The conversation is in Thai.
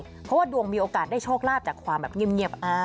เพราะว่าดวงมีโอกาสได้โชคลาภจากความแบบเงียบ